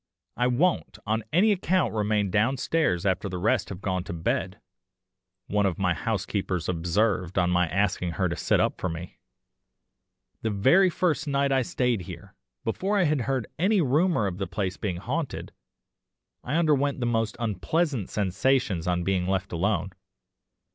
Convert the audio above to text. "'I won't on any account remain downstairs after the rest have gone to bed,' one of my housekeepers observed on my asking her to sit up for me, 'the very first night I stayed here before I had heard any rumour of the place being haunted I underwent the most unpleasant sensations on being left alone.